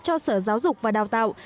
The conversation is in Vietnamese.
cho sở giáo dục và đào tạo